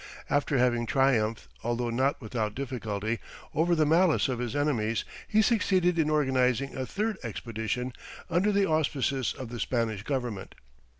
After having triumphed, although not without difficulty, over the malice of his enemies, he succeeded in organizing a third expedition under the auspices of the Spanish government.